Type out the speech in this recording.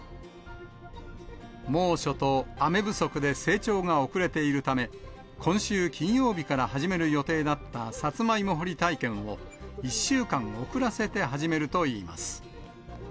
猛暑と雨不足で成長が遅れているため、今週金曜日から始める予定だったさつまいも掘り体験を１週間遅らせて始めるといいます。